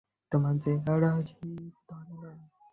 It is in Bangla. তোমার যে আর হাসি ধরে না।